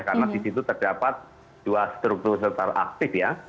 karena di situ terdapat dua struktur selatar aktif